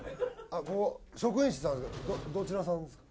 ここ職員室なんですけどどどちらさんですか？